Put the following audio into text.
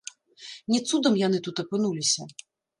Не цудам яны тут апынуліся.